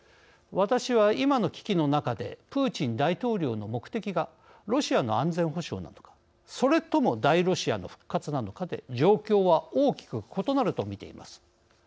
私は今の危機の中でプーチン大統領の目的がロシアの安全保障なのかそれとも大ロシアの復活なのかで状況は大きく異なるとみています。